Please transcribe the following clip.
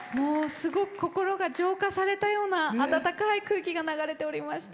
すごく心が浄化されたようなあたたかい空気が流れておりました。